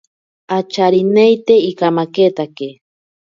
Acharineite ikamaketake.